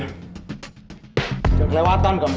jangan kelewatan kamu